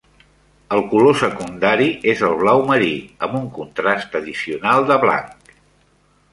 El color secundari és el blau marí, amb un contrast addicional de blanc.